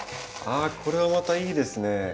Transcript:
あっこれはまたいいですね。